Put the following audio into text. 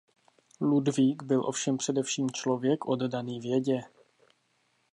Ludvík byl ovšem především člověk oddaný vědě.